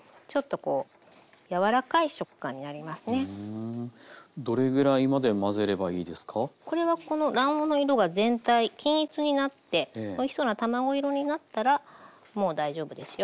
これはこの卵黄の色が全体均一になっておいしそうな卵色になったらもう大丈夫ですよ。